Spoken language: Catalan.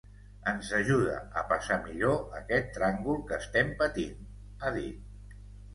Ens ajuda a passar millor aquest tràngol que estem patint, ha dit.